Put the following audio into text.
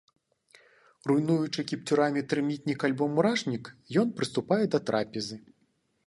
Руйнуючы кіпцюрамі тэрмітнік або мурашнік, ён прыступае да трапезы.